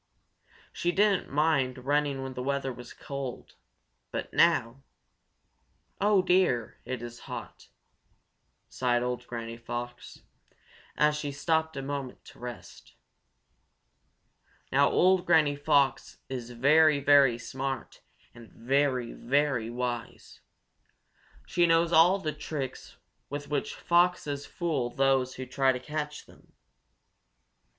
She didn't mind running when the weather was cold, but now "Oh dear, it is hot!" sighed old Granny Fox, as she stopped a minute to rest. Now old Granny Fox is very, very smart and very, very wise. She knows all the tricks with which foxes fool those who try to catch them.